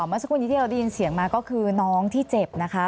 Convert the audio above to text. เมื่อสักครู่นี้ที่เราได้ยินเสียงมาก็คือน้องที่เจ็บนะคะ